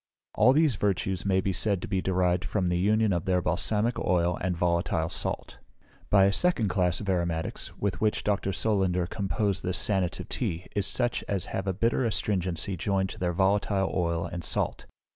All these virtues may be said to be derived from the union of their balsamic oil and volatile salt. By a second class of aromatics, with which Dr. Solander composed this sanative tea, is such as have a bitter astringency joined to their volatile oil and salt.